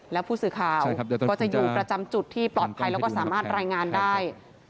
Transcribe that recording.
แล้วผู้สื่อข่าวก็จะอยู่ประจำจุดที่ปลอดภัยแล้วก็สามารถรายงานได้